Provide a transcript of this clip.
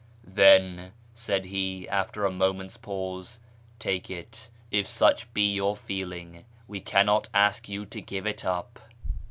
I " Then," said he, after a moment's pause, " take it ; if such j)e your feeling, we cannot ask you to give it up."